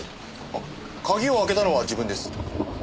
あっ鍵を開けたのは自分です。